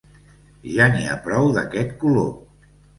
Ja n’hi ha prou d’aquest color.